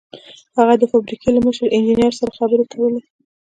هغه د فابريکې له مشر انجنير سره خبرې کولې.